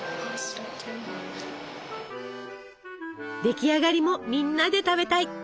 出来上がりもみんなで食べたい！